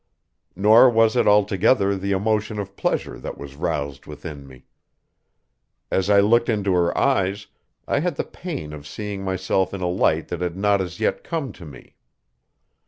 Nor was it altogether the emotion of pleasure that was roused within me. As I looked into her eyes, I had the pain of seeing myself in a light that had not as yet come to me.